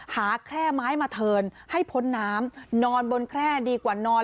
แค่ไม้มาเทินให้พ้นน้ำนอนบนแคร่ดีกว่านอน